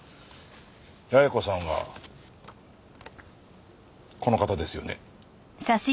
八重子さんはこの方ですよね？